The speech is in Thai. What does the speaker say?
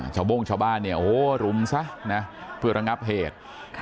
โบ้งชาวบ้านเนี่ยโอ้โหรุมซะนะเพื่อระงับเหตุ